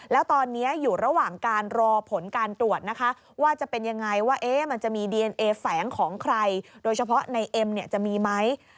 แล้วตอนนี้อยู่ระหว่างการรอผลการตรวจนะคะว่าจะเป็นยังไงว่ามันจะมีดีเอนเอแฝงของใครโดยเฉพาะในเอ็มเนี่ยจะมีไหม